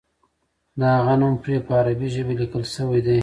د هغه نوم پرې په عربي ژبه لیکل شوی دی.